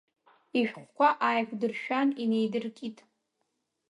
Ишәҟәқәа ааиқәдыршәан, инеидыркит.